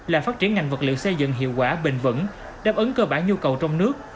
là phát triển ngành vật liệu xây dựng hiệu quả bền vững đáp ứng cơ bản nhu cầu trong nước